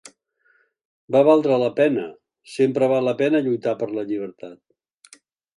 Va valdre la pena, sempre val la pena lluitar per la llibertat.